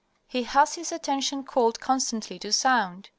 _He has his attention called constantly to sound.